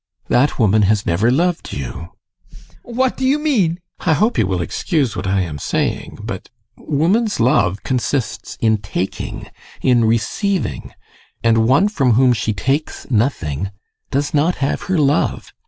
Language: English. That woman has never loved you. ADOLPH. What do you mean? GUSTAV. I hope you will excuse what I am saying but woman's love consists in taking, in receiving, and one from whom she takes nothing does not have her love.